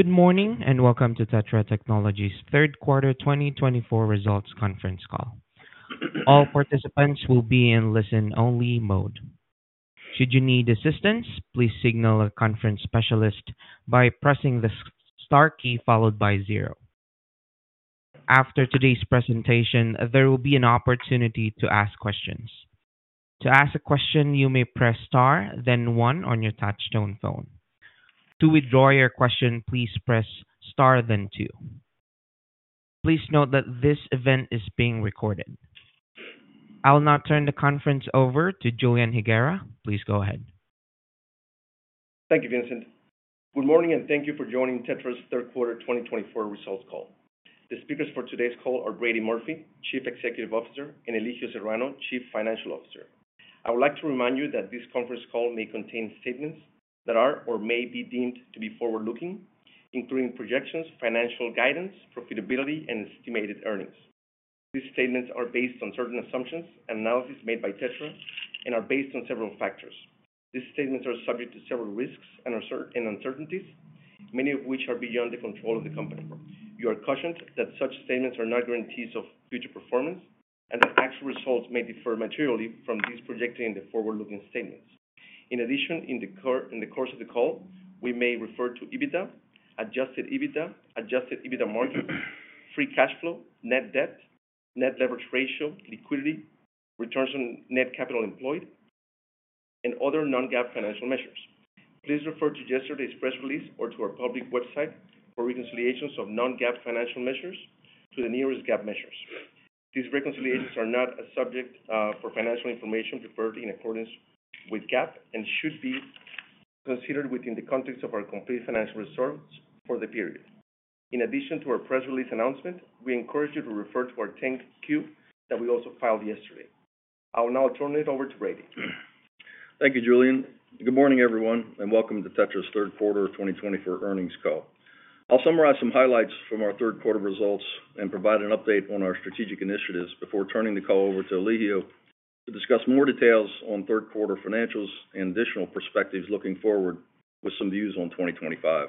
Good morning and welcome to TETRA Technologies' third quarter 2024 results conference call. All participants will be in listen-only mode. Should you need assistance, please signal a conference specialist by pressing the star key followed by zero. After today's presentation, there will be an opportunity to ask questions. To ask a question, you may press star, then one on your touch-tone phone. To withdraw your question, please press star, then two. Please note that this event is being recorded. I will now turn the conference over to Julian Higuera. Please go ahead. Thank you, Vincent. Good morning and thank you for joining TETRA's third quarter 2024 results call. The speakers for today's call are Brady Murphy, Chief Executive Officer, and Elijio Serrano, Chief Financial Officer. I would like to remind you that this conference call may contain statements that are or may be deemed to be forward-looking, including projections, financial guidance, profitability, and estimated earnings. These statements are based on certain assumptions and analyses made by TETRA and are based on several factors. These statements are subject to several risks and uncertainties, many of which are beyond the control of the company. You are cautioned that such statements are not guarantees of future performance and that actual results may differ materially from these projected in the forward-looking statements. In addition, in the course of the call, we may refer to EBITDA, adjusted EBITDA, adjusted EBITDA margin, free cash flow, net debt, net leverage ratio, liquidity, returns on net capital employed, and other non-GAAP financial measures. Please refer to yesterday's press release or to our public website for reconciliations of non-GAAP financial measures to the nearest GAAP measures. These reconciliations are not subject to financial information prepared in accordance with GAAP and should be considered within the context of our complete financial results for the period. In addition to our press release announcement, we encourage you to refer to our 10-Q that we also filed yesterday. I will now turn it over to Brady. Thank you, Julian. Good morning, everyone, and welcome to TETRA's third quarter 2024 earnings call. I'll summarize some highlights from our third quarter results and provide an update on our strategic initiatives before turning the call over to Elijio to discuss more details on third quarter financials and additional perspectives looking forward with some views on 2025.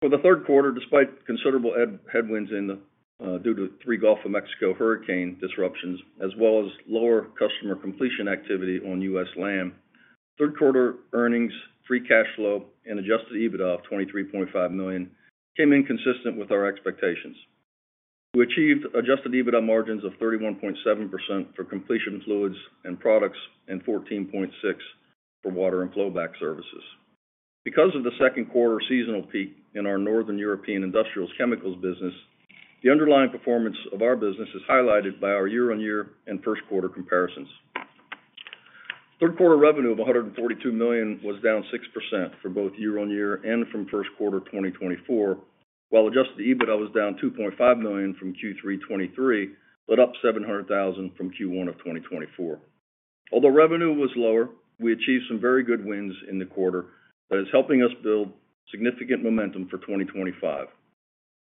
For the third quarter, despite considerable headwinds due to three Gulf of Mexico hurricane disruptions, as well as lower customer completion activity on U.S. land, third quarter earnings, free cash flow, and adjusted EBITDA of $23.5 million came in consistent with our expectations. We achieved adjusted EBITDA margins of 31.7% for completion fluids and products and 14.6% for water and flowback services. Because of the second quarter seasonal peak in our Northern European industrial chemicals business, the underlying performance of our business is highlighted by our year-on-year and first quarter comparisons. Third quarter revenue of $142 million was down 6% for both year-on-year and from first quarter 2024, while adjusted EBITDA was down $2.5 million from Q3 2023 but up $700,000 from Q1 of 2024. Although revenue was lower, we achieved some very good wins in the quarter that is helping us build significant momentum for 2025.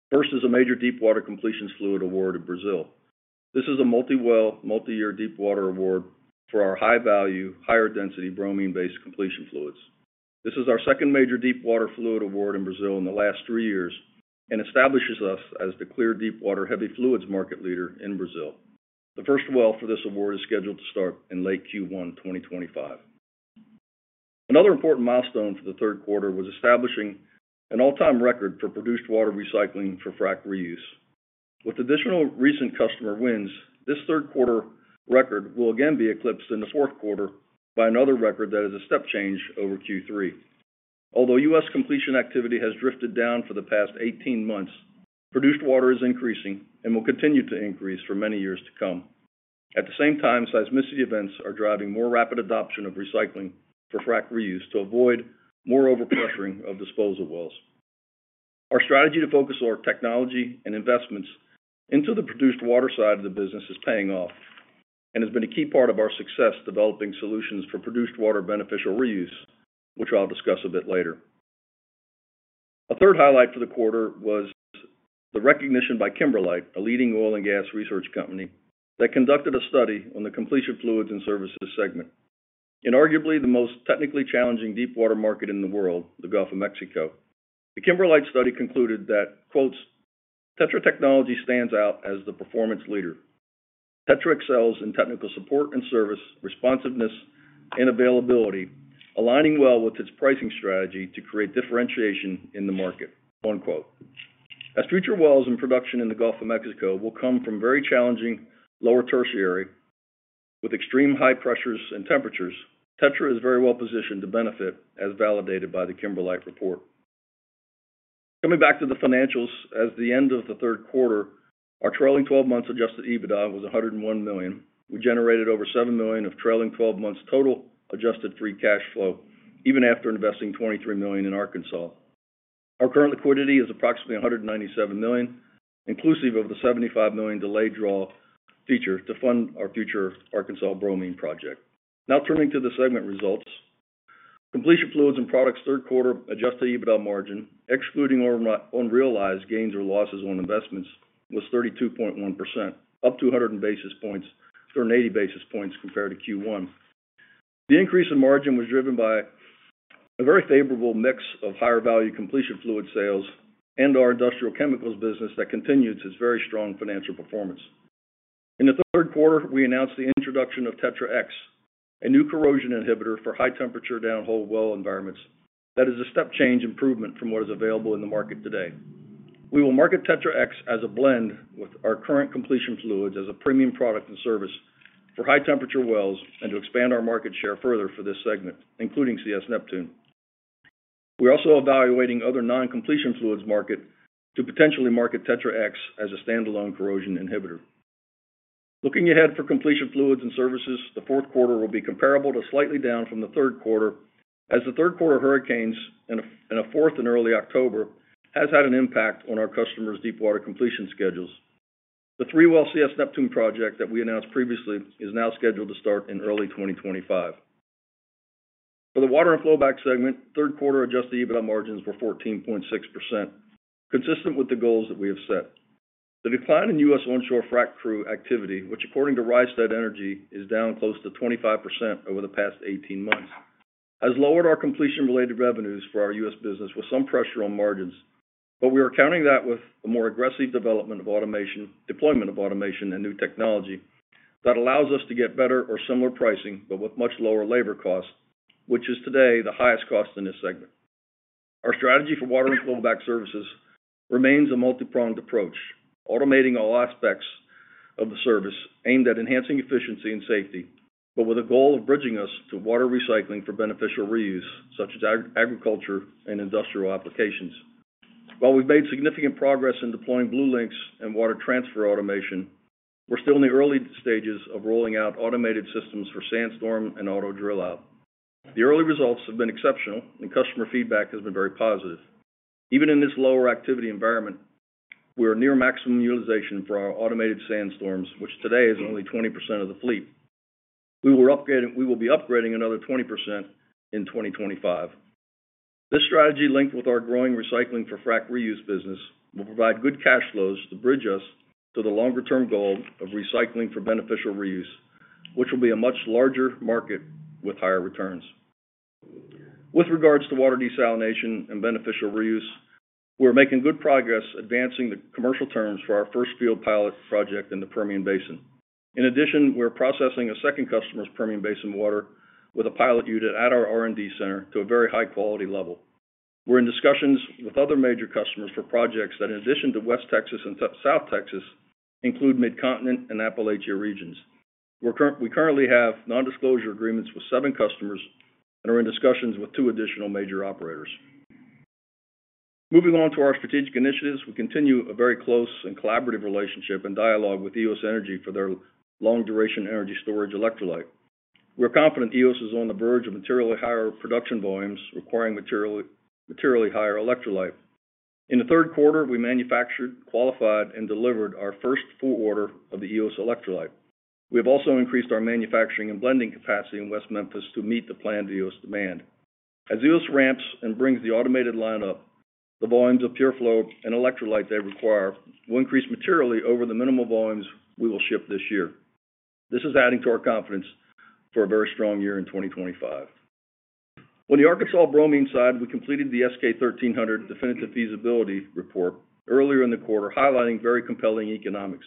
First is a major deepwater completion fluid award in Brazil. This is a multi-well multi-year deepwater award for our high-value, higher-density bromine-based completion fluids. This is our second major deepwater fluid award in Brazil in the last three years and establishes us as the clear deepwater heavy fluids market leader in Brazil. The first well for this award is scheduled to start in late Q1 2025. Another important milestone for the third quarter was establishing an all-time record for produced water recycling for frac reuse. With additional recent customer wins, this third quarter record will again be eclipsed in the fourth quarter by another record that is a step change over Q3. Although U.S. completion activity has drifted down for the past 18 months, produced water is increasing and will continue to increase for many years to come. At the same time, seismicity events are driving more rapid adoption of recycling for frac reuse to avoid more overpressuring of disposal wells. Our strategy to focus our technology and investments into the produced water side of the business is paying off and has been a key part of our success developing solutions for produced water beneficial reuse, which I'll discuss a bit later. A third highlight for the quarter was the recognition by Kimberlite, a leading oil and gas research company, that conducted a study on the completion fluids and services segment, inarguably the most technically challenging deepwater market in the world, the Gulf of Mexico. The Kimberlite study concluded that "TETRA Technologies stands out as the performance leader. TETRA excels in technical support and service, responsiveness, and availability, aligning well with its pricing strategy to create differentiation in the market." As future wells and production in the Gulf of Mexico will come from very challenging Lower Tertiary with extreme high pressures and temperatures, TETRA is very well positioned to benefit, as validated by the Kimberlite report. Coming back to the financials, as of the end of the third quarter, our trailing 12-month adjusted EBITDA was $101 million. We generated over $7 million of trailing 12-month total adjusted free cash flow, even after investing $23 million in Arkansas. Our current liquidity is approximately $197 million, inclusive of the $75 million delayed draw feature to fund our future Arkansas bromine project. Now turning to the segment results, completion fluids and products third quarter adjusted EBITDA margin, excluding unrealized gains or losses on investments, was 32.1%, up 200 basis points from 80 basis points compared to Q1. The increase in margin was driven by a very favorable mix of higher-value completion fluid sales and our industrial chemicals business that continued its very strong financial performance. In the third quarter, we announced the introduction of TETRA X, a new corrosion inhibitor for high-temperature down-hole well environments that is a step change improvement from what is available in the market today. We will market TETRA X as a blend with our current completion fluids as a premium product and service for high-temperature wells and to expand our market share further for this segment, including CS Neptune. We are also evaluating other non-completion fluids market to potentially market TETRA X as a standalone corrosion inhibitor. Looking ahead for completion fluids and services, the fourth quarter will be comparable to slightly down from the third quarter, as the third quarter hurricanes and a fourth in early October has had an impact on our customers' deepwater completion schedules. The three-well CS Neptune project that we announced previously is now scheduled to start in early 2025. For the water and flowback segment, third quarter adjusted EBITDA margins were 14.6%, consistent with the goals that we have set. The decline in U.S. Onshore frac crew activity, which according to Rystad Energy is down close to 25% over the past 18 months, has lowered our completion-related revenues for our U.S. business with some pressure on margins, but we are counting that with a more aggressive development of automation, deployment of automation, and new technology that allows us to get better or similar pricing but with much lower labor costs, which is today the highest cost in this segment. Our strategy for water and flowback services remains a multi-pronged approach, automating all aspects of the service aimed at enhancing efficiency and safety but with a goal of bridging us to water recycling for beneficial reuse, such as agriculture and industrial applications. While we've made significant progress in deploying BlueLinx and water transfer automation, we're still in the early stages of rolling out automated systems for SandStorm and Auto-Drillout. The early results have been exceptional, and customer feedback has been very positive. Even in this lower activity environment, we are near maximum utilization for our automated SandStorms, which today is only 20% of the fleet. We will be upgrading another 20% in 2025. This strategy, linked with our growing recycling for frac reuse business, will provide good cash flows to bridge us to the longer-term goal of recycling for beneficial reuse, which will be a much larger market with higher returns. With regards to water desalination and beneficial reuse, we are making good progress advancing the commercial terms for our first field pilot project in the Permian Basin. In addition, we are processing a second customer's Permian Basin water with a pilot unit at our R&D center to a very high-quality level. We're in discussions with other major customers for projects that, in addition to West Texas and South Texas, include Mid-Continent and Appalachia regions. We currently have non-disclosure agreements with seven customers and are in discussions with two additional major operators. Moving on to our strategic initiatives, we continue a very close and collaborative relationship and dialogue with Eos Energy for their long-duration energy storage electrolyte. We are confident Eos is on the verge of materially higher production volumes requiring materially higher electrolyte. In the third quarter, we manufactured, qualified, and delivered our first full order of the Eos electrolyte. We have also increased our manufacturing and blending capacity in West Memphis to meet the planned Eos demand. As Eos ramps and brings the automated line up, the volumes of PureFlow and electrolyte they require will increase materially over the minimal volumes we will ship this year. This is adding to our confidence for a very strong year in 2025. On the Arkansas bromine side, we completed the S-K 1300 definitive feasibility report earlier in the quarter, highlighting very compelling economics,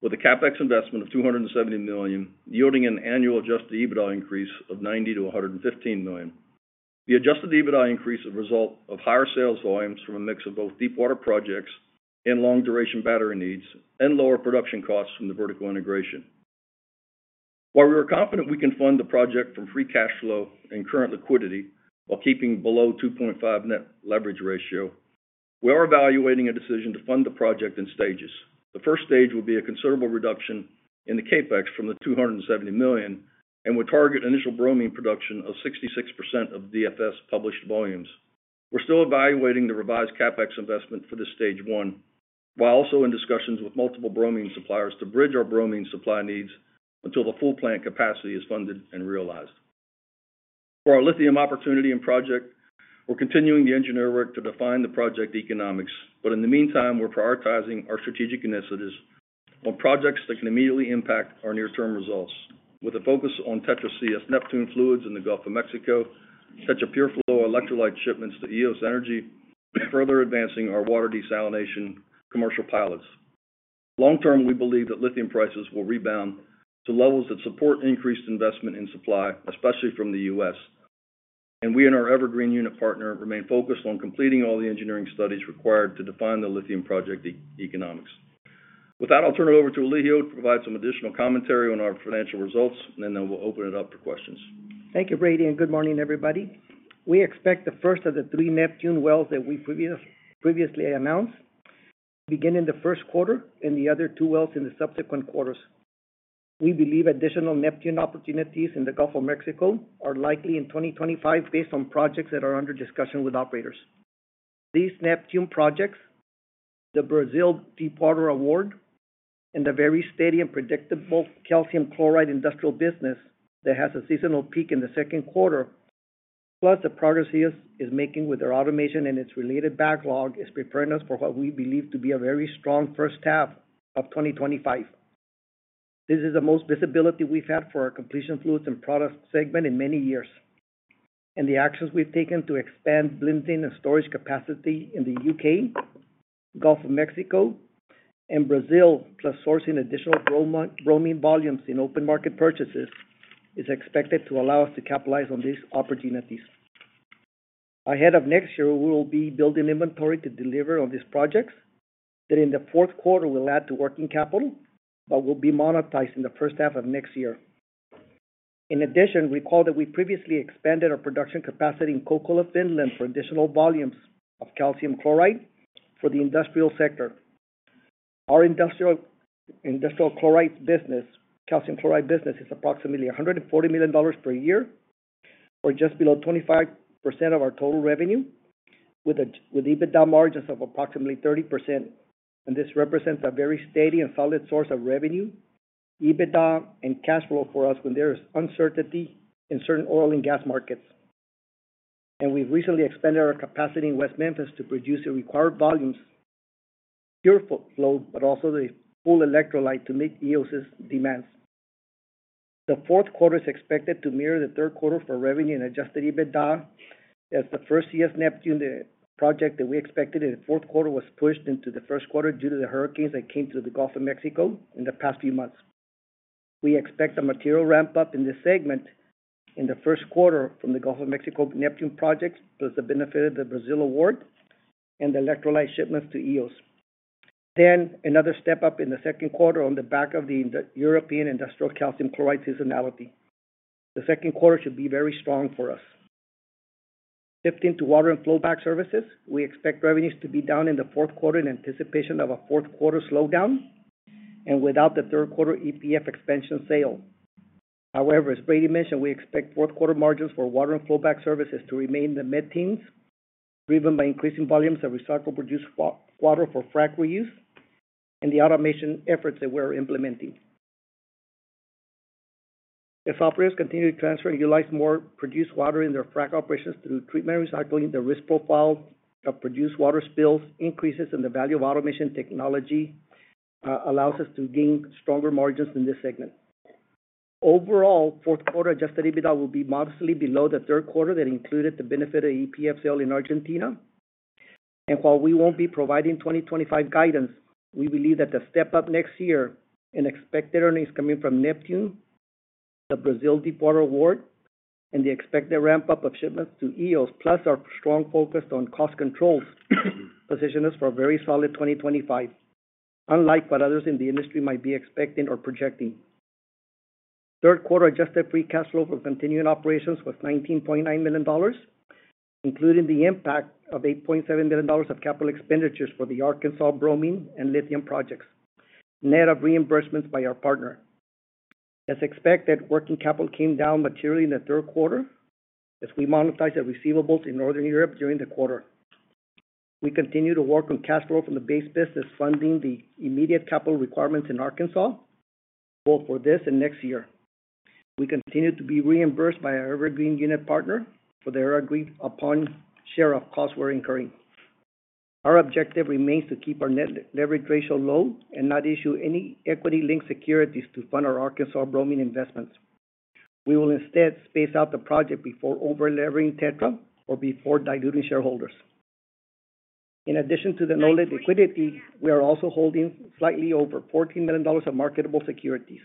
with a CapEx investment of $270 million, yielding an annual adjusted EBITDA increase of $90 million-$115 million. The adjusted EBITDA increase is a result of higher sales volumes from a mix of both deepwater projects and long-duration battery needs and lower production costs from the vertical integration. While we are confident we can fund the project from free cash flow and current liquidity while keeping below 2.5 net leverage ratio, we are evaluating a decision to fund the project in stages. The first stage will be a considerable reduction in the CapEx from the $270 million and would target initial bromine production of 66% of DFS published volumes. We're still evaluating the revised CapEx investment for this stage one, while also in discussions with multiple bromine suppliers to bridge our bromine supply needs until the full plant capacity is funded and realized. For our lithium opportunity and project, we're continuing the engineering work to define the project economics, but in the meantime, we're prioritizing our strategic initiatives on projects that can immediately impact our near-term results, with a focus on TETRA CS Neptune fluids in the Gulf of Mexico, TETRA PureFlow electrolyte shipments to Eos Energy, and further advancing our water desalination commercial pilots. Long-term, we believe that lithium prices will rebound to levels that support increased investment in supply, especially from the U.S., and we and our Evergreen unit partner remain focused on completing all the engineering studies required to define the lithium project economics. With that, I'll turn it over to Elijio to provide some additional commentary on our financial results, and then we'll open it up for questions. Thank you, Brady, and good morning, everybody. We expect the first of the three Neptune wells that we previously announced to begin in the first quarter and the other two wells in the subsequent quarters. We believe additional Neptune opportunities in the Gulf of Mexico are likely in 2025 based on projects that are under discussion with operators. These Neptune projects, the Brazil deepwater award, and the very steady and predictable calcium chloride industrial business that has a seasonal peak in the second quarter, plus the progress Eos is making with their automation and its related backlog, is preparing us for what we believe to be a very strong first half of 2025. This is the most visibility we've had for our completion fluids and products segment in many years, and the actions we've taken to expand blending and storage capacity in the U.K., Gulf of Mexico, and Brazil, plus sourcing additional bromine volumes in open market purchases, is expected to allow us to capitalize on these opportunities. Ahead of next year, we will be building inventory to deliver on these projects that in the fourth quarter will add to working capital but will be monetized in the first half of next year. In addition, recall that we previously expanded our production capacity in Kokkola, Finland, for additional volumes of calcium chloride for the industrial sector. Our industrial chloride business, calcium chloride business, is approximately $140 million per year, or just below 25% of our total revenue, with EBITDA margins of approximately 30%, and this represents a very steady and solid source of revenue, EBITDA, and cash flow for us when there is uncertainty in certain oil and gas markets, and we've recently expanded our capacity in West Memphis to produce the required volumes, PureFlow, but also the full electrolyte to meet Eos's demands. The fourth quarter is expected to mirror the third quarter for revenue and adjusted EBITDA, as the first CS Neptune, the project that we expected in the fourth quarter, was pushed into the first quarter due to the hurricanes that came through the Gulf of Mexico in the past few months. We expect a material ramp-up in this segment in the first quarter from the Gulf of Mexico Neptune projects, plus the benefit of the Brazil award and the electrolyte shipments to Eos. Then, another step up in the second quarter on the back of the European industrial calcium chloride seasonality. The second quarter should be very strong for us. Shifting to water and flowback services, we expect revenues to be down in the fourth quarter in anticipation of a fourth quarter slowdown and without the third quarter EPF expansion sale. However, as Brady mentioned, we expect fourth quarter margins for water and flowback services to remain in the mid-teens, driven by increasing volumes of recycled produced water for frac reuse and the automation efforts that we are implementing. As operators continue to transfer and utilize more produced water in their frac operations through treatment and recycling, the risk profile of produced water spills increases, and the value of automation technology allows us to gain stronger margins in this segment. Overall, fourth quarter adjusted EBITDA will be modestly below the third quarter that included the benefit of EPF sale in Argentina. And while we won't be providing 2025 guidance, we believe that the step up next year and expected earnings coming from Neptune, the Brazil deepwater award, and the expected ramp-up of shipments to Eos, plus our strong focus on cost controls, position us for a very solid 2025, unlike what others in the industry might be expecting or projecting. Third quarter adjusted free cash flow for continuing operations was $19.9 million, including the impact of $8.7 million of capital expenditures for the Arkansas bromine and lithium projects, net of reimbursements by our partner. As expected, working capital came down materially in the third quarter as we monetized the receivables in Northern Europe during the quarter. We continue to work on cash flow from the base business, funding the immediate capital requirements in Arkansas, both for this and next year. We continue to be reimbursed by our Evergreen unit partner for the agreed-upon share of costs we're incurring. Our objective remains to keep our net leverage ratio low and not issue any equity-linked securities to fund our Arkansas bromine investments. We will instead space out the project before over-levering TETRA or before diluting shareholders. In addition to the noted liquidity, we are also holding slightly over $14 million of marketable securities.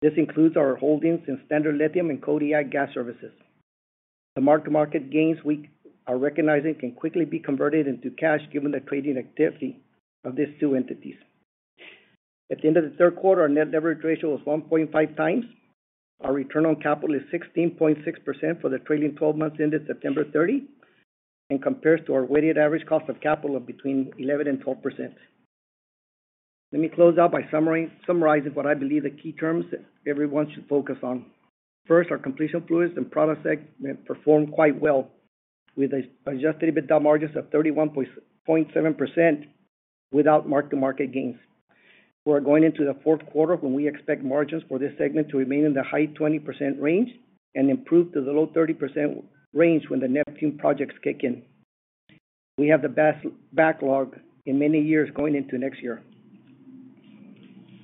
This includes our holdings in Standard Lithium and Kodiak Gas Services. The mark-to-market gains we are recognizing can quickly be converted into cash given the trading activity of these two entities. At the end of the third quarter, our net leverage ratio was 1.5x. Our return on capital is 16.6% for the trailing 12 months ended September 30, and compares to our weighted average cost of capital of between 11% and 12%. Let me close out by summarizing what I believe the key terms everyone should focus on. First, our completion fluids and products segment performed quite well, with adjusted EBITDA margins of 31.7% without mark-to-market gains. We are going into the fourth quarter when we expect margins for this segment to remain in the high 20% range and improve to the low 30% range when the Neptune projects kick in. We have the best backlog in many years going into next year.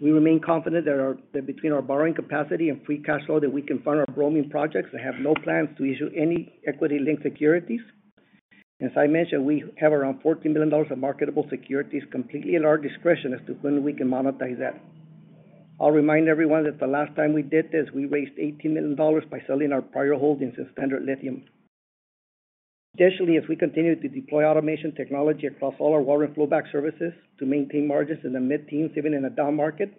We remain confident that between our borrowing capacity and free cash flow that we can fund our bromine projects and have no plans to issue any equity-linked securities. As I mentioned, we have around $14 million of marketable securities completely at our discretion as to when we can monetize that. I'll remind everyone that the last time we did this, we raised $18 million by selling our prior holdings in Standard Lithium. Additionally, as we continue to deploy automation technology across all our water and flowback services to maintain margins in the mid-teens, even in a down market,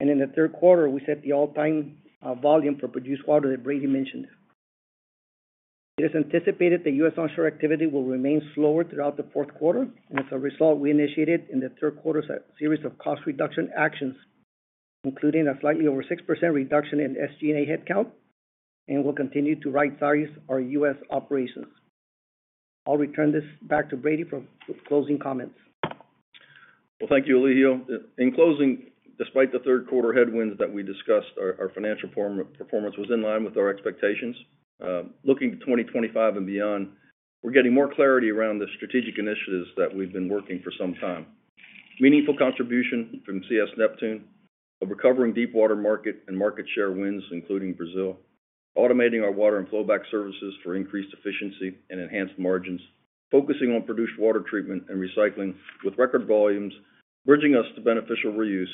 and in the third quarter, we set the all-time volume for produced water that Brady mentioned. It is anticipated that U.S. Onshore activity will remain slower throughout the fourth quarter, and as a result, we initiated in the third quarter a series of cost reduction actions, including a slightly over 6% reduction in SG&A headcount, and we'll continue to right-size our U.S. operations. I'll return this back to Brady for closing comments. Well, thank you, Elijio. In closing, despite the third quarter headwinds that we discussed, our financial performance was in line with our expectations. Looking to 2025 and beyond, we're getting more clarity around the strategic initiatives that we've been working for some time. Meaningful contribution from CS Neptune, a recovering deepwater market and market share wins, including Brazil, automating our water and flowback services for increased efficiency and enhanced margins, focusing on produced water treatment and recycling with record volumes, bridging us to beneficial reuse,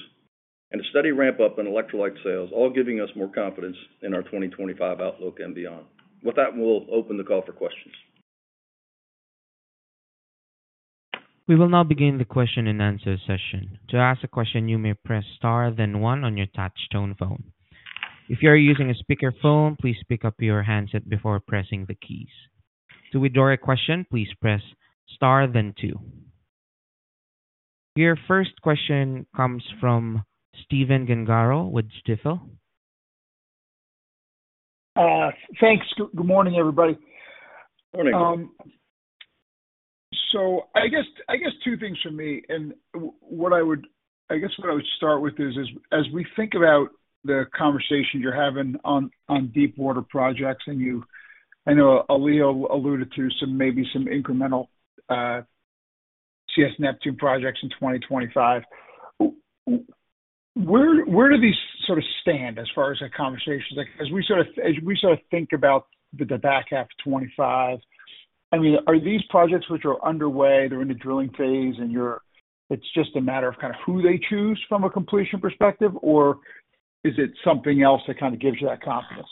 and a steady ramp-up in electrolyte sales, all giving us more confidence in our 2025 outlook and beyond. With that, we'll open the call for questions. We will now begin the question and answer session. To ask a question, you may press star then one on your touch-tone phone. If you are using a speakerphone, please pick up your handset before pressing the keys. To withdraw a question, please press star then two. Your first question comes from Stephen Gengaro with Stifel. Thanks. Good morning, everybody. Morning, everybody. So I guess two things for me. And I guess what I would start with is, as we think about the conversation you're having on deepwater projects, and you, I know Elijio alluded to maybe some incremental CS Neptune projects in 2025, where do these sort of stand as far as that conversation? As we sort of think about the back half of 2025, I mean, are these projects which are underway, they're in the drilling phase, and it's just a matter of kind of who they choose from a completion perspective, or is it something else that kind of gives you that confidence?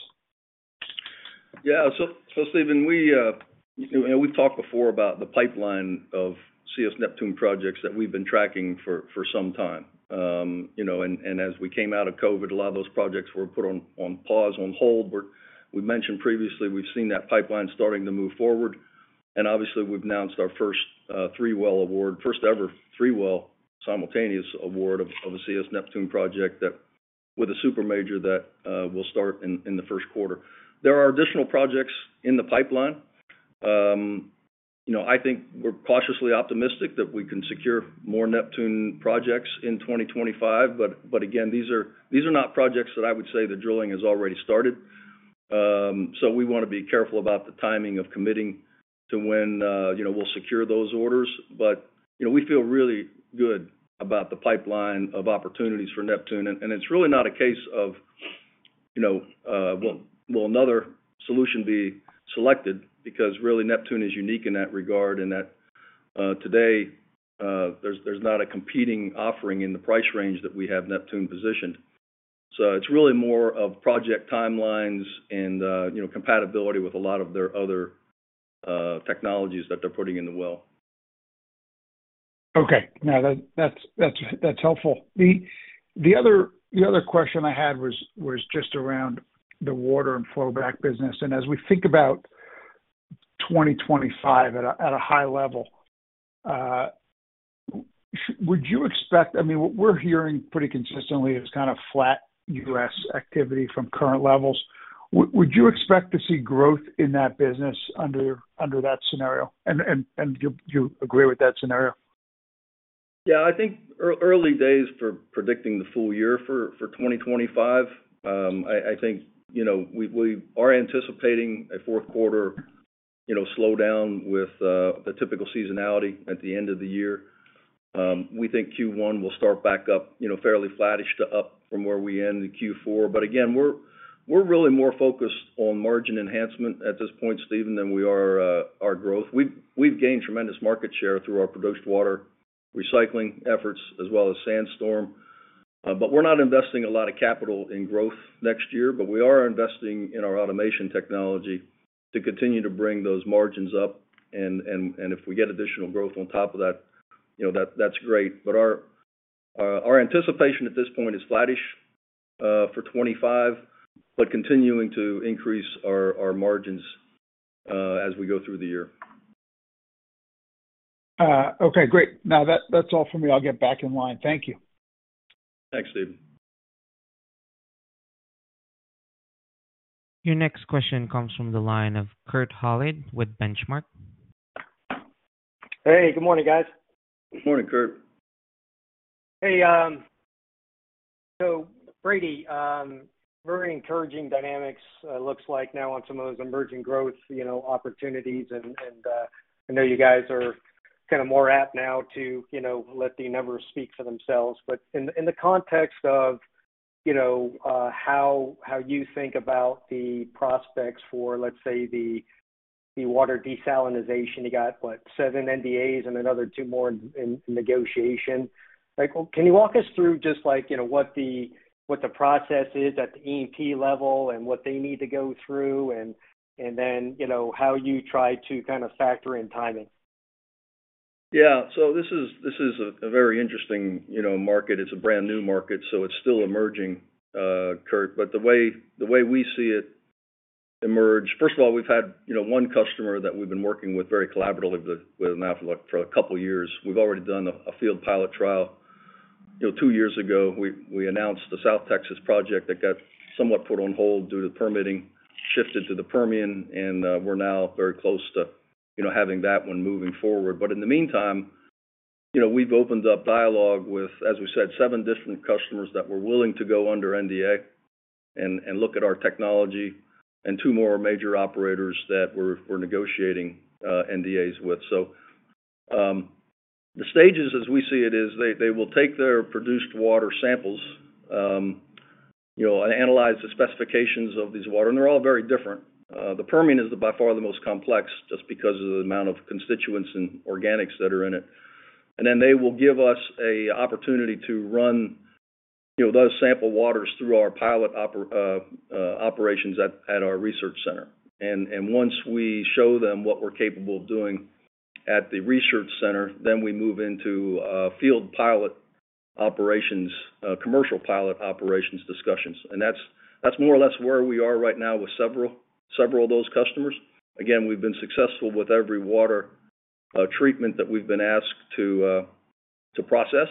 Yeah. So Stephen, we've talked before about the pipeline of CS Neptune projects that we've been tracking for some time. And as we came out of COVID, a lot of those projects were put on pause, on hold. We mentioned previously, we've seen that pipeline starting to move forward. And obviously, we've announced our first three-well award, first-ever three-well simultaneous award of a CS Neptune project with a super major that will start in the first quarter. There are additional projects in the pipeline. I think we're cautiously optimistic that we can secure more Neptune projects in 2025. But again, these are not projects that I would say the drilling has already started. So we want to be careful about the timing of committing to when we'll secure those orders. But we feel really good about the pipeline of opportunities for Neptune. And it's really not a case of, well, will another solution be selected? Because really, Neptune is unique in that regard, and today, there's not a competing offering in the price range that we have Neptune positioned. So it's really more of project timelines and compatibility with a lot of their other technologies that they're putting in the well. Okay. Now, that's helpful. The other question I had was just around the water and flowback business. As we think about 2025 at a high level, would you expect, I mean, what we're hearing pretty consistently is kind of flat U.S. activity from current levels. Would you expect to see growth in that business under that scenario? Do you agree with that scenario? Yeah. I think early days for predicting the full year for 2025. I think we are anticipating a fourth quarter slowdown with the typical seasonality at the end of the year. We think Q1 will start back up fairly flattish to up from where we ended Q4. But again, we're really more focused on margin enhancement at this point, Stephen, than we are our growth. We've gained tremendous market share through our produced water recycling efforts, as well as SandStorm. But we're not investing a lot of capital in growth next year. But we are investing in our automation technology to continue to bring those margins up. And if we get additional growth on top of that, that's great. But our anticipation at this point is flattish for 2025, but continuing to increase our margins as we go through the year. Okay. Great. Now, that's all from me. I'll get back in line. Thank you. Thanks, Stephen. Your next question comes from the line of Kurt Hallead with Benchmark. Hey. Good morning, guys. Good morning, Kurt. Hey. So Brady, very encouraging dynamics, it looks like, now on some of those emerging growth opportunities. And I know you guys are kind of more apt now to let the numbers speak for themselves. But in the context of how you think about the prospects for, let's say, the water desalination, you got, what, seven NDAs and another two more in negotiation. Can you walk us through just what the process is at the E&P level and what they need to go through, and then how you try to kind of factor in timing? Yeah. So this is a very interesting market. It's a brand new market, so it's still emerging, Kurt. But the way we see it emerge, first of all, we've had one customer that we've been working with very collaboratively with a client for a couple of years. We've already done a field pilot trial. Two years ago, we announced the South Texas project that got somewhat put on hold due to permitting, shifted to the Permian, and we're now very close to having that one moving forward. But in the meantime, we've opened up dialogue with, as we said, seven different customers that were willing to go under NDA and look at our technology, and two more major operators that we're negotiating NDAs with. So the stages, as we see it, is they will take their produced water samples and analyze the specifications of these water. And they're all very different. The Permian is by far the most complex just because of the amount of constituents and organics that are in it, and then they will give us an opportunity to run those sample waters through our pilot operations at our research center. And once we show them what we're capable of doing at the research center, then we move into field pilot operations, commercial pilot operations discussions. That's more or less where we are right now with several of those customers. Again, we've been successful with every water treatment that we've been asked to process.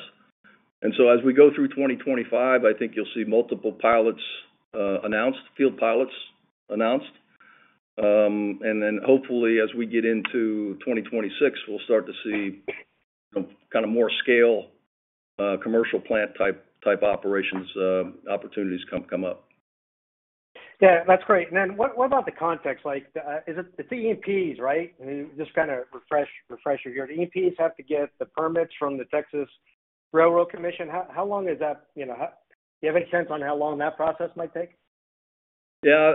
And so as we go through 2025, I think you'll see multiple pilots announced, field pilots announced. And then hopefully, as we get into 2026, we'll start to see kind of more scale commercial plant-type operations opportunities come up. Yeah. That's great. And then what about the context? It's the E&Ps, right? Just kind of refresh your ear. The E&Ps have to get the permits from the Railroad Commission of Texas. How long is that? Do you have any sense on how long that process might take? Yeah.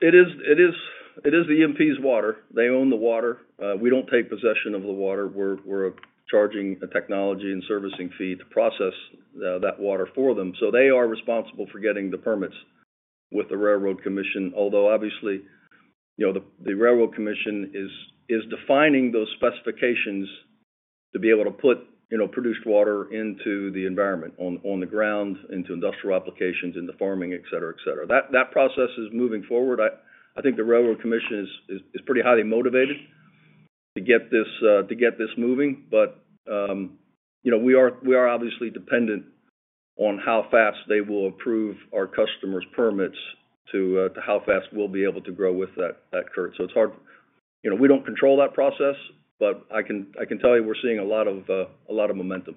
It is the E&P's water. They own the water. We don't take possession of the water. We're charging a technology and servicing fee to process that water for them. So they are responsible for getting the permits with the Railroad Commission, although obviously, the Railroad Commission is defining those specifications to be able to put produced water into the environment, on the ground, into industrial applications, into farming, etc., etc. That process is moving forward. I think the Railroad Commission is pretty highly motivated to get this moving. But we are obviously dependent on how fast they will approve our customers' permits to how fast we'll be able to grow with that, Kurt. So it's hard. We don't control that process, but I can tell you we're seeing a lot of momentum.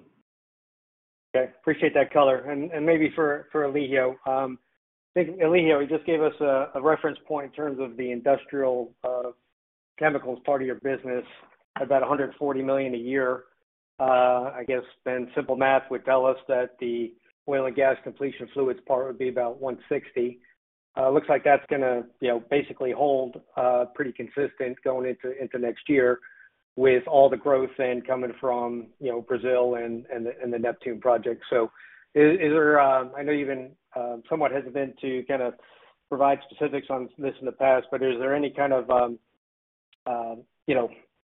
Okay. Appreciate that color. And maybe for Elijio, I think Elijio just gave us a reference point in terms of the industrial chemicals part of your business, about $140 million a year. I guess then simple math would tell us that the oil and gas completion fluids part would be about $160 million. Looks like that's going to basically hold pretty consistent going into next year with all the growth then coming from Brazil and the Neptune project. So I know you've been somewhat hesitant to kind of provide specifics on this in the past, but is there any kind of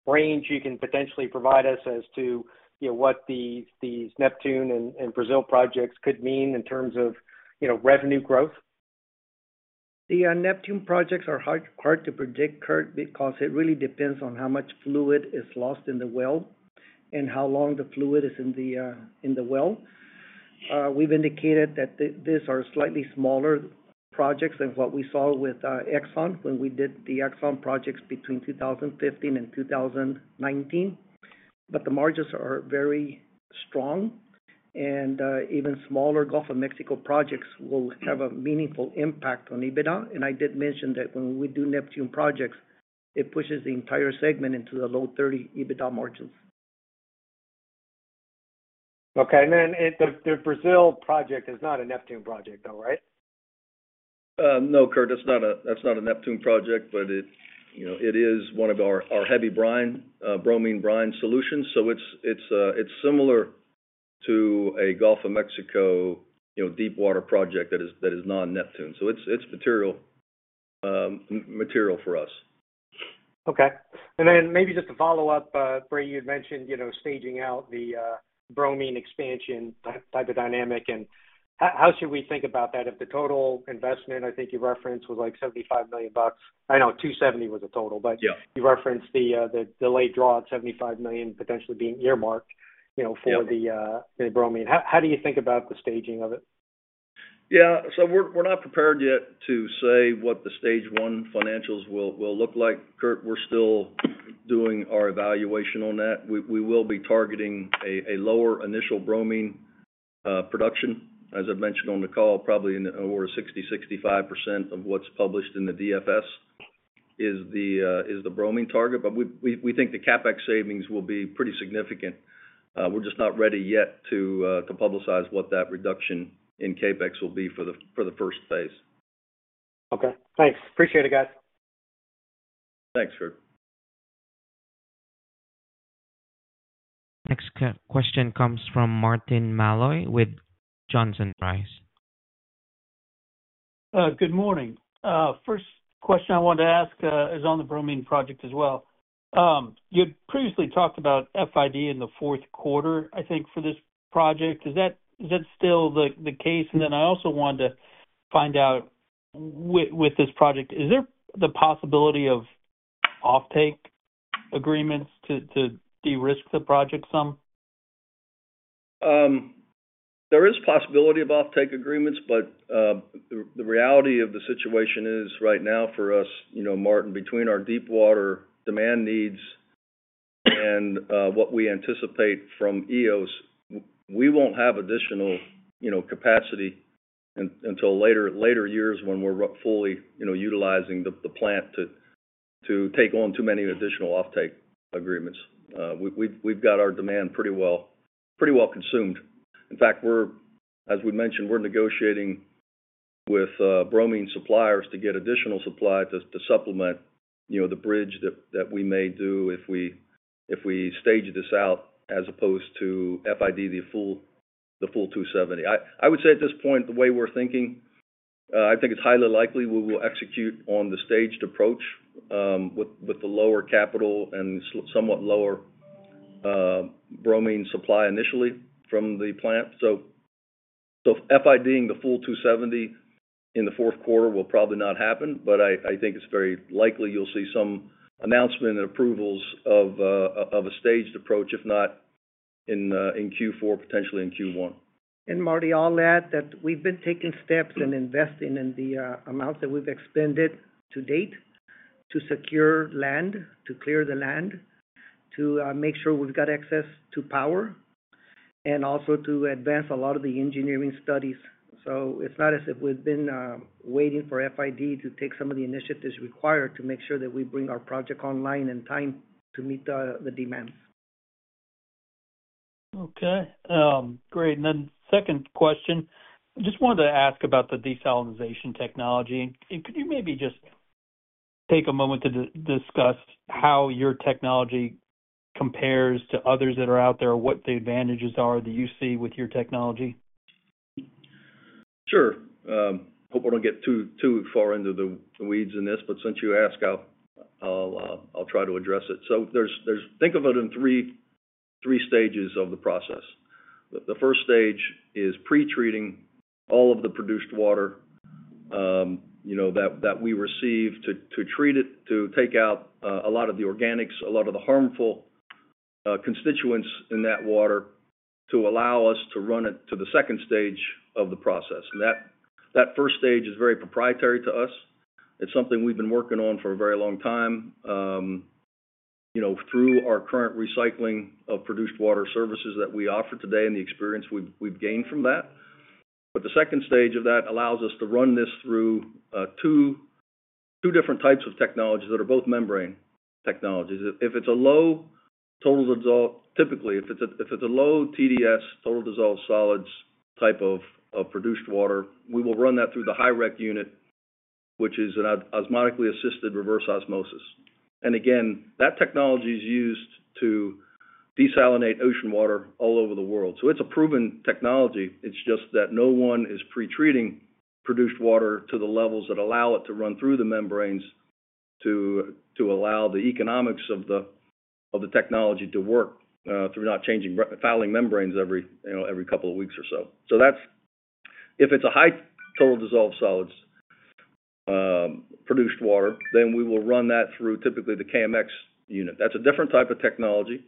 range you can potentially provide us as to what these Neptune and Brazil projects could mean in terms of revenue growth? The Neptune projects are hard to predict, Kurt, because it really depends on how much fluid is lost in the well and how long the fluid is in the well. We've indicated that these are slightly smaller projects than what we saw with Exxon when we did the Exxon projects between 2015 and 2019. But the margins are very strong. And even smaller Gulf of Mexico projects will have a meaningful impact on EBITDA. And I did mention that when we do Neptune projects, it pushes the entire segment into the low 30 EBITDA margins. Okay, and then the Brazil project is not a Neptune project, though, right? No, Kurt. That's not a Neptune project, but it is one of our heavy brine, bromine brine solutions. So it's similar to a Gulf of Mexico deepwater project that is non-Neptune. So it's material for us. Okay. And then maybe just to follow up, Brady, you had mentioned staging out the bromine expansion type of dynamic. And how should we think about that? If the total investment, I think you referenced, was like $75 million. I know $270 million was the total, but you referenced the delayed draw of $75 million potentially being earmarked for the bromine. How do you think about the staging of it? Yeah. So we're not prepared yet to say what the stage one financials will look like. Kurt, we're still doing our evaluation on that. We will be targeting a lower initial bromine production. As I've mentioned on the call, probably on the order of 60%-65% of what's published in the DFS is the bromine target. But we think the CapEx savings will be pretty significant. We're just not ready yet to publicize what that reduction in CapEx will be for the first phase. Okay. Thanks. Appreciate it, guys. Thanks, Kurt. Next question comes from Martin Malloy with Johnson Rice. Good morning. First question I wanted to ask is on the bromine project as well. You had previously talked about FID in the fourth quarter, I think, for this project. Is that still the case? And then I also wanted to find out with this project, is there the possibility of off-take agreements to de-risk the project some? There is possibility of off-take agreements, but the reality of the situation is right now for us, Martin, between our deepwater demand needs and what we anticipate from Eos, we won't have additional capacity until later years when we're fully utilizing the plant to take on too many additional off-take agreements. We've got our demand pretty well consumed. In fact, as we mentioned, we're negotiating with bromine suppliers to get additional supply to supplement the bridge that we may do if we stage this out as opposed to FID the full 270. I would say at this point, the way we're thinking, I think it's highly likely we will execute on the staged approach with the lower capital and somewhat lower bromine supply initially from the plant. So FIDing the full 270 in the fourth quarter will probably not happen, but I think it's very likely you'll see some announcement and approvals of a staged approach, if not in Q4, potentially in Q1. And Martin, all that we've been taking steps and investing in the amounts that we've expended to date to secure land, to clear the land, to make sure we've got access to power, and also to advance a lot of the engineering studies. So it's not as if we've been waiting for FID to take some of the initiatives required to make sure that we bring our project online in time to meet the demands. Okay. Great. And then second question, I just wanted to ask about the desalination technology. And could you maybe just take a moment to discuss how your technology compares to others that are out there, what the advantages are that you see with your technology? Sure. Hope I don't get too far into the weeds in this, but since you asked, I'll try to address it. So think of it in three stages of the process. The first stage is pretreating all of the produced water that we receive to treat it, to take out a lot of the organics, a lot of the harmful constituents in that water to allow us to run it to the second stage of the process. And that first stage is very proprietary to us. It's something we've been working on for a very long time through our current recycling of produced water services that we offer today and the experience we've gained from that. But the second stage of that allows us to run this through two different types of technologies that are both membrane technologies. If it's a low total dissolved, typically, if it's a low TDS, total dissolved solids type of produced water, we will run that through the Hyrec unit, which is an osmotically assisted reverse osmosis. And again, that technology is used to desalinate ocean water all over the world. So it's a proven technology. It's just that no one is pretreating produced water to the levels that allow it to run through the membranes to allow the economics of the technology to work through not changing, fouling membranes every couple of weeks or so. So if it's a high total dissolved solids produced water, then we will run that through typically the KMX unit. That's a different type of technology.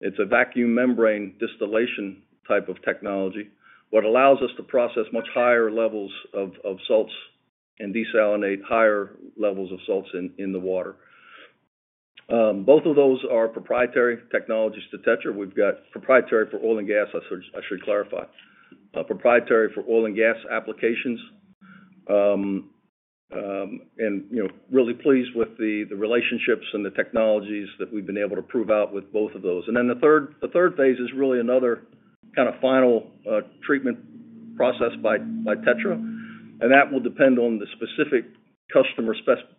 It's a vacuum membrane distillation type of technology that allows us to process much higher levels of salts and desalinate higher levels of salts in the water. Both of those are proprietary technologies, etc. We've got proprietary for oil and gas, I should clarify, proprietary for oil and gas applications, and really pleased with the relationships and the technologies that we've been able to prove out with both of those, and then the third phase is really another kind of final treatment process by TETRA. And that will depend on the specific customer specifications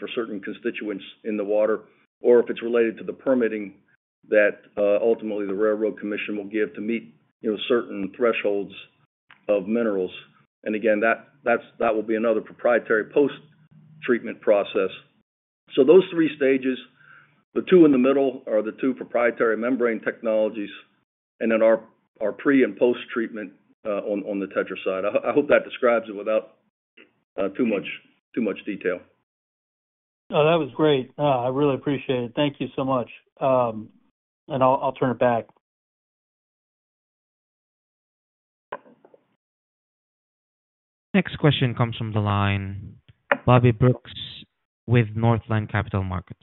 for certain constituents in the water or if it's related to the permitting that ultimately the Railroad Commission will give to meet certain thresholds of minerals, and again, that will be another proprietary post-treatment process. So those three stages, the two in the middle are the two proprietary membrane technologies and then our pre and post-treatment on the TETRA side. I hope that describes it without too much detail. No, that was great. I really appreciate it. Thank you so much. And I'll turn it back. Next question comes from the line, Bobby Brooks with Northland Capital Markets.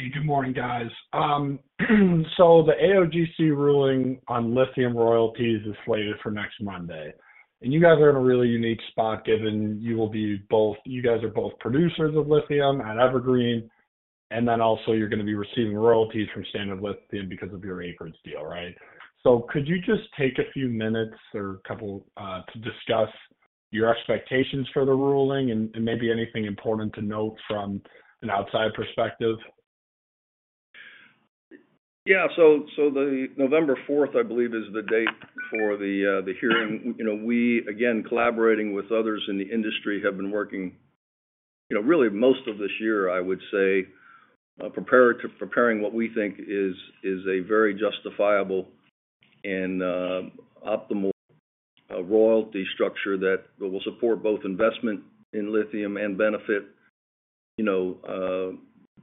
Hey, good morning, guys. So the AOGC ruling on lithium royalties is slated for next Monday. And you guys are in a really unique spot given you guys are both producers of lithium at Evergreen, and then also you're going to be receiving royalties from Standard Lithium because of your acreage deal, right? So could you just take a few minutes or a couple to discuss your expectations for the ruling and maybe anything important to note from an outside perspective? Yeah. So November 4th, I believe, is the date for the hearing. We, again, collaborating with others in the industry, have been working really most of this year, I would say, preparing what we think is a very justifiable and optimal royalty structure that will support both investment in lithium and benefit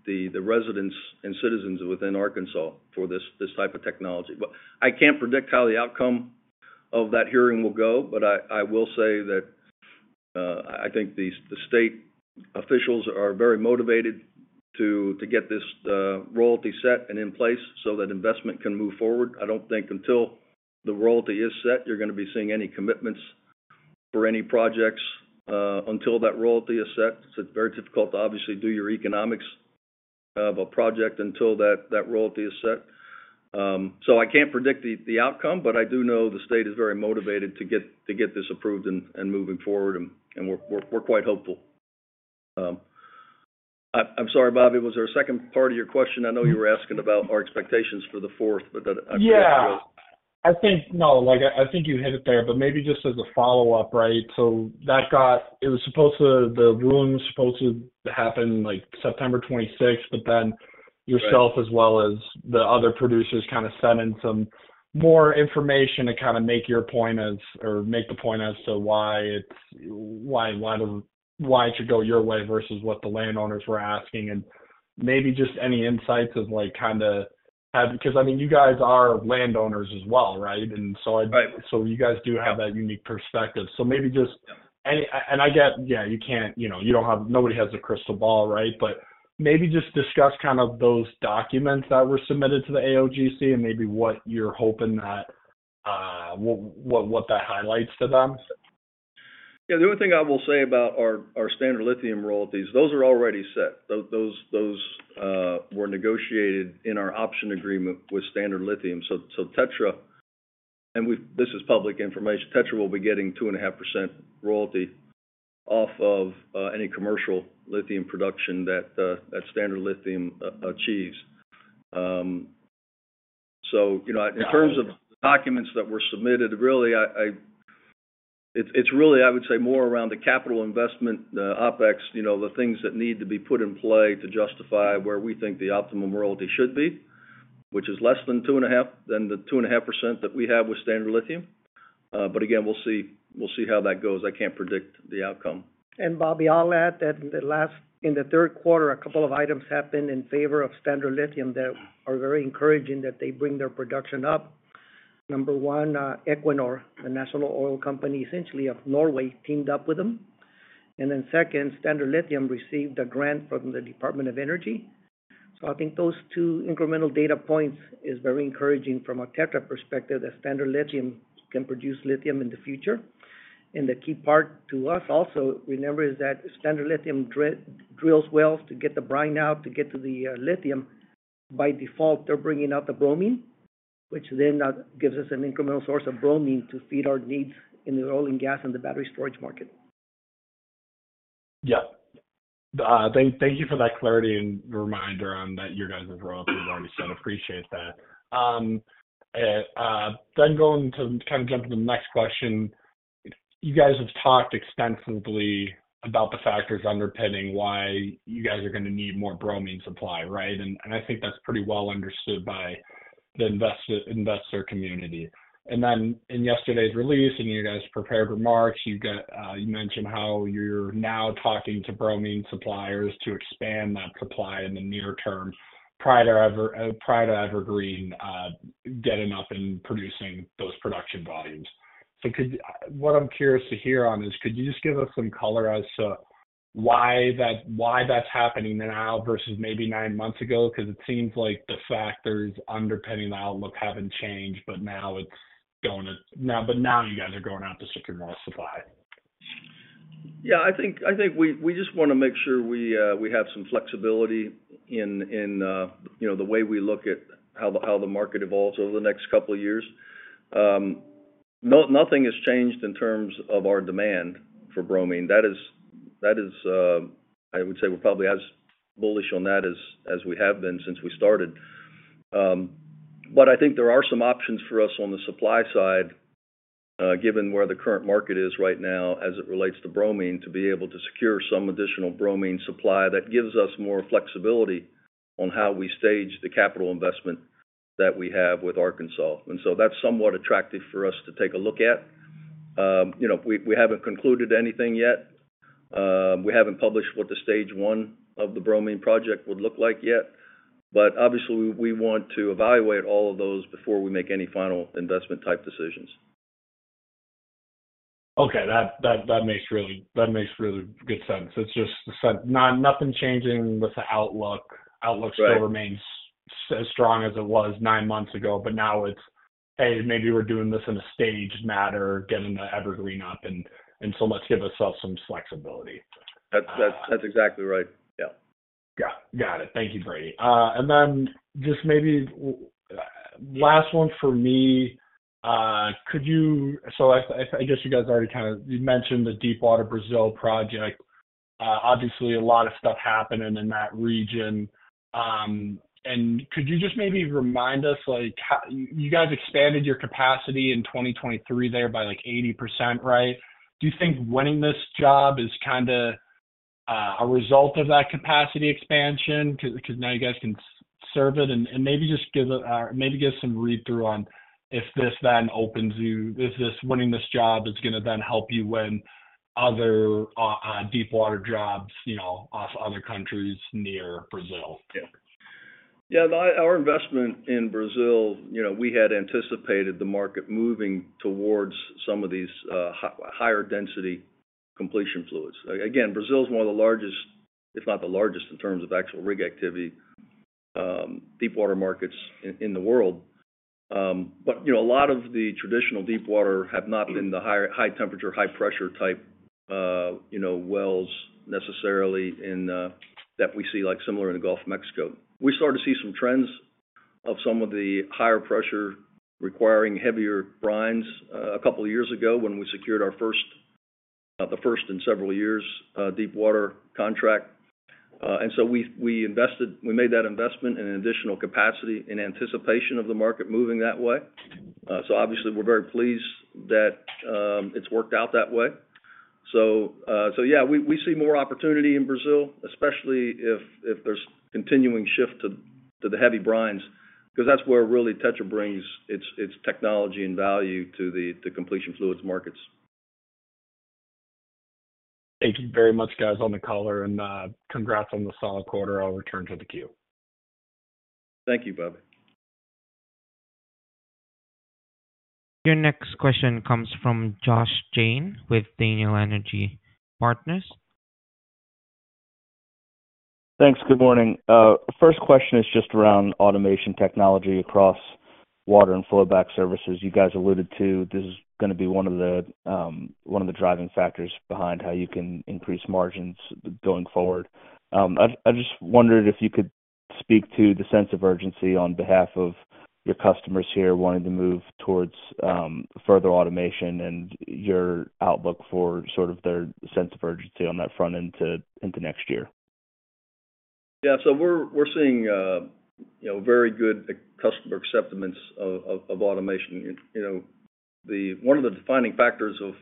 the residents and citizens within Arkansas for this type of technology. But I can't predict how the outcome of that hearing will go, but I will say that I think the state officials are very motivated to get this royalty set and in place so that investment can move forward. I don't think until the royalty is set, you're going to be seeing any commitments for any projects until that royalty is set. It's very difficult to obviously do your economics of a project until that royalty is set. So I can't predict the outcome, but I do know the state is very motivated to get this approved and moving forward, and we're quite hopeful. I'm sorry, Bobby, was there a second part of your question? I know you were asking about our expectations for the fourth, but I'm curious to go. Yeah. I think no. I think you hit it there, but maybe just as a follow-up, right? So it was supposed to the ruling was supposed to happen like September 26th, but then yourself as well as the other producers kind of sent in some more information to kind of make your point as or make the point as to why it should go your way versus what the landowners were asking and maybe just any insights of kind of because, I mean, you guys are landowners as well, right? And so you guys do have that unique perspective. So maybe just any and I get, yeah, you can't you don't have nobody has a crystal ball, right? But maybe just discuss kind of those documents that were submitted to the AOGC and maybe what you're hoping that what that highlights to them. Yeah. The only thing I will say about our Standard Lithium royalties, those are already set. Those were negotiated in our option agreement with Standard Lithium. So TETRA, and this is public information. TETRA will be getting 2.5% royalty off of any commercial lithium production that Standard Lithium achieves. So in terms of the documents that were submitted, really, it's really, I would say, more around the capital investment, the OpEx, the things that need to be put in play to justify where we think the optimum royalty should be, which is less than 2.5% than the 2.5% that we have with Standard Lithium. But again, we'll see how that goes. I can't predict the outcome. Bobby, all that in the last third quarter, a couple of items happened in favor of Standard Lithium that are very encouraging that they bring their production up. Number one, Equinor, the national oil company essentially of Norway, teamed up with them. And then second, Standard Lithium received a grant from the Department of Energy. So I think those two incremental data points are very encouraging from a TETRA perspective that Standard Lithium can produce lithium in the future. And the key part to us also remember is that Standard Lithium drills wells to get the brine out to get to the lithium. By default, they're bringing out the bromine, which then gives us an incremental source of bromine to feed our needs in the oil and gas and the battery storage market. Yeah. Thank you for that clarity and reminder on that you guys have royalties already set. Appreciate that. Then going to kind of jump to the next question, you guys have talked extensively about the factors underpinning why you guys are going to need more bromine supply, right? And I think that's pretty well understood by the investor community. And then in yesterday's release and your guys' prepared remarks, you mentioned how you're now talking to bromine suppliers to expand that supply in the near term prior to Evergreen getting up and producing those production volumes. So what I'm curious to hear on is could you just give us some color as to why that's happening now versus maybe nine months ago? Because it seems like the factors underpinning the outlook haven't changed, but now you guys are going out to secure more supply. Yeah. I think we just want to make sure we have some flexibility in the way we look at how the market evolves over the next couple of years. Nothing has changed in terms of our demand for bromine. That is, I would say, we're probably as bullish on that as we have been since we started. But I think there are some options for us on the supply side, given where the current market is right now as it relates to bromine, to be able to secure some additional bromine supply that gives us more flexibility on how we stage the capital investment that we have with Arkansas. And so that's somewhat attractive for us to take a look at. We haven't concluded anything yet. We haven't published what the stage one of the bromine project would look like yet. But obviously, we want to evaluate all of those before we make any final investment-type decisions. Okay. That makes really good sense. It's just nothing changing with the outlook. Outlook still remains as strong as it was nine months ago, but now it's, "Hey, maybe we're doing this in a staged manner, getting the Evergreen up, and so let's give ourselves some flexibility. That's exactly right. Yeah. Yeah. Got it. Thank you, Brady. And then just maybe last one for me, could you so I guess you guys already kind of you mentioned the deepwater Brazil project. Obviously, a lot of stuff happening in that region. And could you just maybe remind us you guys expanded your capacity in 2023 there by like 80%, right? Do you think winning this job is kind of a result of that capacity expansion? Because now you guys can serve it. And maybe just give us some read-through on if this then opens you if this winning this job is going to then help you win other deepwater jobs off other countries near Brazil. Yeah. Yeah. Our investment in Brazil, we had anticipated the market moving towards some of these higher-density completion fluids. Again, Brazil is one of the largest, if not the largest, in terms of actual rig activity, deepwater markets in the world, but a lot of the traditional deepwater have not been the high-temperature, high-pressure type wells necessarily that we see similar in the Gulf of Mexico. We started to see some trends of some of the higher pressure requiring heavier brines a couple of years ago when we secured our first, not the first in several years, deepwater contract. And so we invested, we made that investment in additional capacity in anticipation of the market moving that way, so obviously, we're very pleased that it's worked out that way. Yeah, we see more opportunity in Brazil, especially if there's continuing shift to the heavy brines because that's where really TETRA brings its technology and value to the completion fluids markets. Thank you very much, guys, on the color. And congrats on the solid quarter. I'll return to the queue. Thank you, Bobby. Your next question comes from Josh Jayne with Daniel Energy Partners. Thanks. Good morning. First question is just around automation technology across water and flowback services. You guys alluded to this is going to be one of the driving factors behind how you can increase margins going forward. I just wondered if you could speak to the sense of urgency on behalf of your customers here wanting to move towards further automation and your outlook for sort of their sense of urgency on that front end into next year? Yeah. So we're seeing very good customer acceptance of automation. One of the defining factors of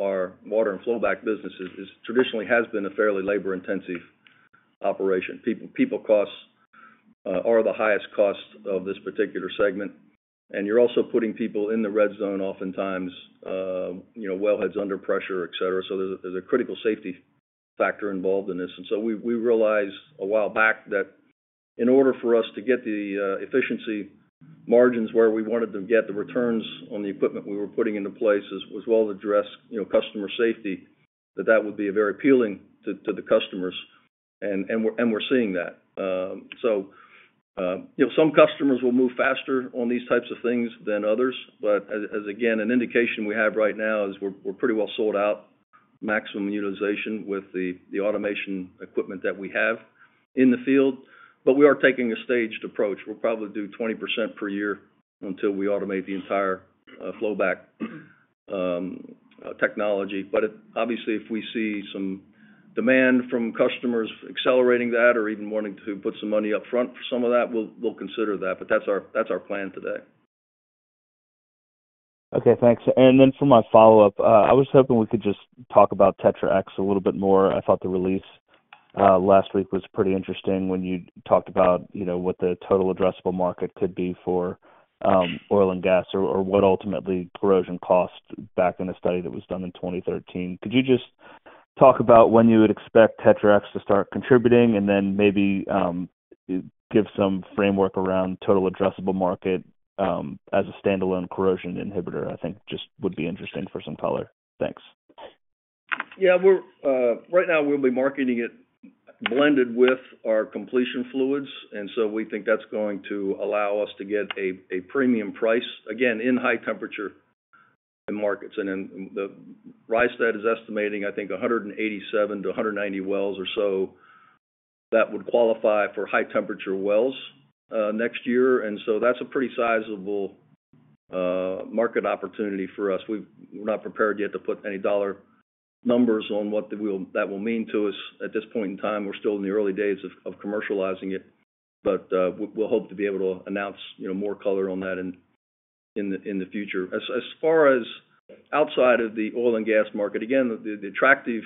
our water and flowback businesses traditionally has been a fairly labor-intensive operation. People costs are the highest cost of this particular segment. And you're also putting people in the red zone oftentimes, wellheads under pressure, etc. So there's a critical safety factor involved in this. And so we realized a while back that in order for us to get the efficiency margins where we wanted to get the returns on the equipment we were putting into place as well as address customer safety, that that would be very appealing to the customers. And we're seeing that. So some customers will move faster on these types of things than others. But as again, an indication we have right now is we're pretty well sold out, maximum utilization with the automation equipment that we have in the field. But we are taking a staged approach. We'll probably do 20% per year until we automate the entire flowback technology. But obviously, if we see some demand from customers accelerating that or even wanting to put some money upfront for some of that, we'll consider that. But that's our plan today. Okay. Thanks. And then for my follow-up, I was hoping we could just talk about TETRA X a little bit more. I thought the release last week was pretty interesting when you talked about what the total addressable market could be for oil and gas or what ultimately corrosion cost back in a study that was done in 2013. Could you just talk about when you would expect TETRA X to start contributing and then maybe give some framework around total addressable market as a standalone corrosion inhibitor? I think just would be interesting for some color. Thanks. Yeah. Right now, we'll be marketing it blended with our completion fluids, and so we think that's going to allow us to get a premium price, again, in high-temperature markets, and then the Rystad is estimating, I think, 187-190 wells or so that would qualify for high-temperature wells next year, and so that's a pretty sizable market opportunity for us. We're not prepared yet to put any dollar numbers on what that will mean to us at this point in time. We're still in the early days of commercializing it, but we'll hope to be able to announce more color on that in the future. As far as outside of the oil and gas market, again, the attractive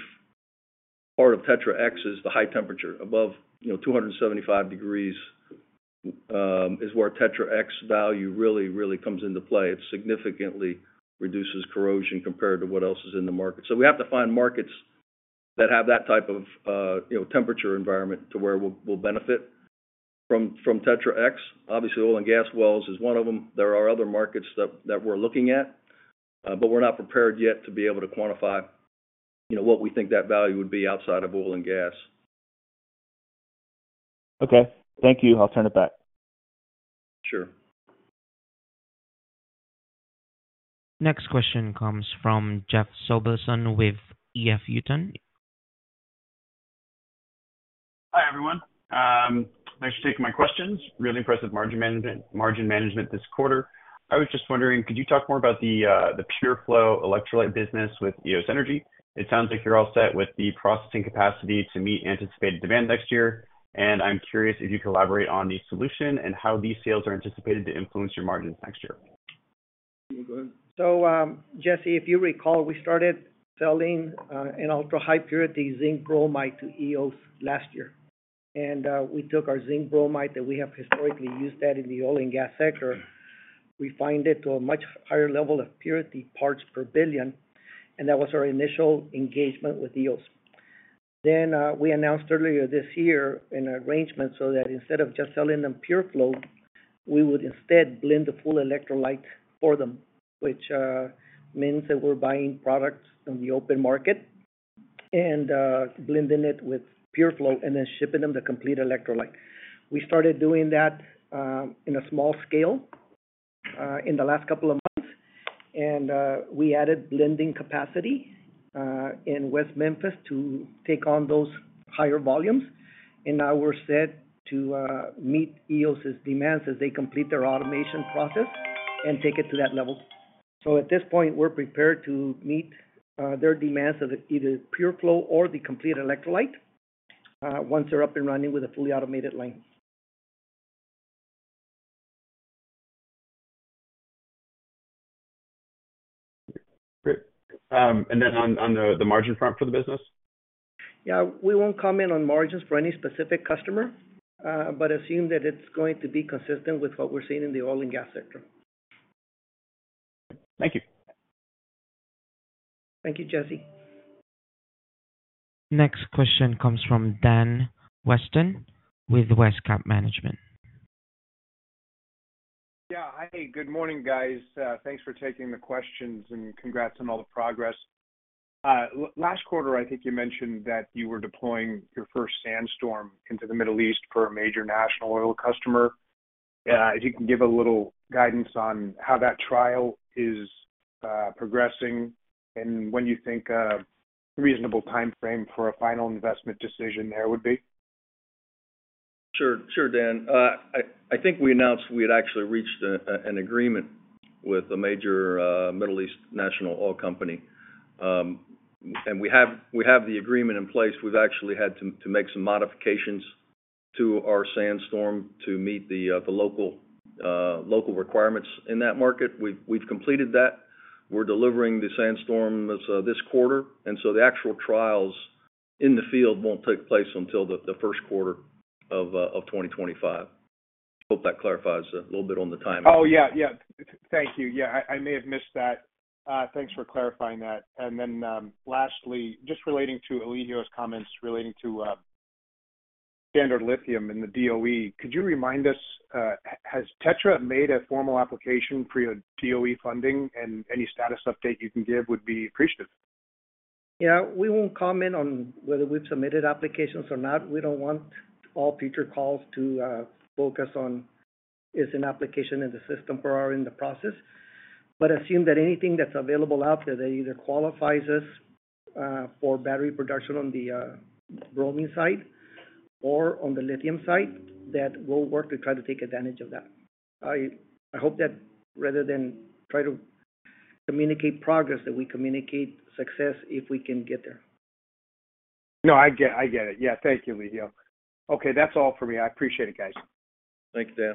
part of TETRA X is the high temperature. Above 275 degrees is where TETRA X value really, really comes into play. It significantly reduces corrosion compared to what else is in the market, so we have to find markets that have that type of temperature environment to where we'll benefit from TETRA X. Obviously, oil and gas wells is one of them. There are other markets that we're looking at, but we're not prepared yet to be able to quantify what we think that value would be outside of oil and gas. Okay. Thank you. I'll turn it back. Sure. Next question comes from Jesse Sobelson with EF Hutton. Hi, everyone. Thanks for taking my questions. Really impressive margin management this quarter. I was just wondering, could you talk more about the PureFlow electrolyte business with Eos Energy? It sounds like you're all set with the processing capacity to meet anticipated demand next year. And I'm curious if you collaborate on the solution and how these sales are anticipated to influence your margins next year. Jesse, if you recall, we started selling an ultra-high purity zinc bromide to Eos last year. We took our zinc bromide that we have historically used in the oil and gas sector. We refine it to a much higher level of purity parts per billion. That was our initial engagement with Eos. We announced earlier this year an arrangement so that instead of just selling them PureFlow, we would instead blend the full electrolyte for them, which means that we're buying products on the open market and blending it with PureFlow and then shipping them the complete electrolyte. We started doing that in a small scale in the last couple of months. We added blending capacity in West Memphis to take on those higher volumes. And now we're set to meet Eos's demands as they complete their automation process and take it to that level. So at this point, we're prepared to meet their demands of either PureFlow or the complete electrolyte once they're up and running with a fully automated line. Great. And then on the margin front for the business? Yeah. We won't comment on margins for any specific customer, but assume that it's going to be consistent with what we're seeing in the oil and gas sector. Thank you. Thank you, Jesse. Next question comes from Dan Weston with WestCap Management. Yeah. Hi. Good morning, guys. Thanks for taking the questions and congrats on all the progress. Last quarter, I think you mentioned that you were deploying your first SandStorm into the Middle East for a major national oil customer. If you can give a little guidance on how that trial is progressing and when you think a reasonable timeframe for a final investment decision there would be. Sure. Sure, Dan. I think we announced we had actually reached an agreement with a major Middle East national oil company. And we have the agreement in place. We've actually had to make some modifications to our SandStorm to meet the local requirements in that market. We've completed that. We're delivering the SandStorm this quarter. And so the actual trials in the field won't take place until the first quarter of 2025. Hope that clarifies a little bit on the timing. Oh, yeah. Yeah. Thank you. Yeah. I may have missed that. Thanks for clarifying that. And then lastly, just relating to Elijio's comments relating to Standard Lithium in the DOE, could you remind us, has TETRA made a formal application for your DOE funding? And any status update you can give would be appreciative. Yeah. We won't comment on whether we've submitted applications or not. We don't want all future calls to focus on whether an application is in the system or in the process. But assume that anything that's available out there that either qualifies us for battery production on the bromine side or on the lithium side, that we'll work to try to take advantage of that. I hope that rather than try to communicate progress, that we communicate success if we can get there. No, I get it. Yeah. Thank you, Elijio. Okay. That's all for me. I appreciate it, guys. Thank you, Dan.